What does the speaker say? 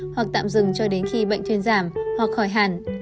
hoặc tạm dừng cho đến khi bệnh thuyên giảm hoặc khỏi hàn